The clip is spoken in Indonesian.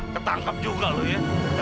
ketangkep juga lu ya